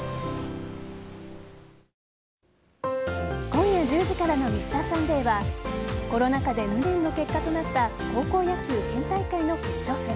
今夜１０時からの「Ｍｒ．サンデー」はコロナ禍で無念の結果となった高校野球県大会の決勝戦。